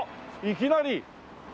いきなり。